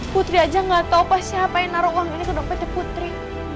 putri aja enggak tahu siapa yang naro uang ini ke dompet putri